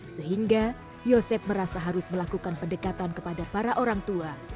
sehingga yosep merasa harus melakukan pendekatan kepada para orang tua